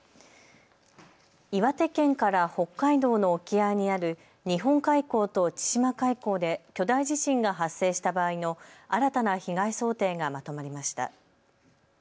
岩手県から北海道の沖合にある日本海溝と千島海溝で巨大地震が発生した場合の新たな被害想定がまとまりました。